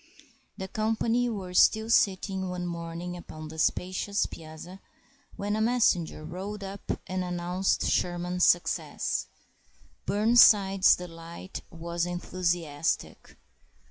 The company were all sitting one morning upon the spacious piazza, when a messenger rode up and announced Sherman's success. Burnside's delight was enthusiastic.